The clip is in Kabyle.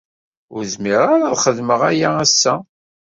Ur zmireɣ ara ad xedmeɣ aya ass-a.